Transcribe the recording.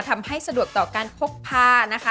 ทำให้สะดวกต่อการพกพานะคะ